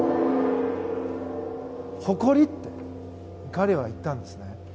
誇りって彼は言ったんです。